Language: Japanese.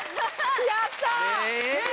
やったー！